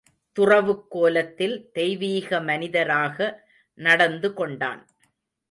துறவுக் கோலத்தில் தெய்வீக மனிதராக நடந்து கொண்டான்.